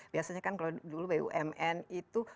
biasanya kan kalau dulu bumn itu